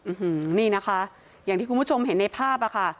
อืมนี่นะคะอย่างที่คุณผู้ชมเห็นในภาพอะค่ะ